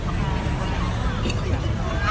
สวัสดีค่ะ